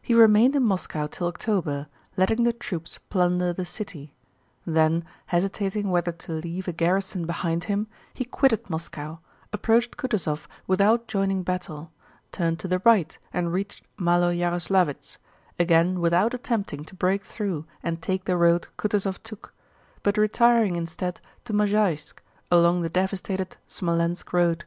He remained in Moscow till October, letting the troops plunder the city; then, hesitating whether to leave a garrison behind him, he quitted Moscow, approached Kutúzov without joining battle, turned to the right and reached Málo Yaroslávets, again without attempting to break through and take the road Kutúzov took, but retiring instead to Mozháysk along the devastated Smolénsk road.